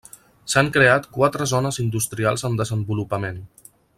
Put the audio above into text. S'han creat quatre zones industrials en desenvolupament.